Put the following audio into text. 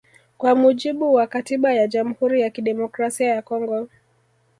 Kwa mujibu wa katiba ya Jamhuri ya Kidemokrasia ya Kongo